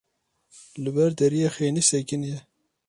Li ber deriyê xênî sekiniye.